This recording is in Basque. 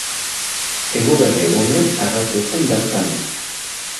Eguberri egunean agertu zen bertan.